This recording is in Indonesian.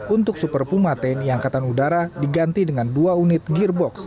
untuk super puma tni angkatan udara diganti dengan dua unit gearbox